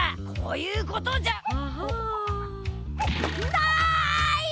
ない！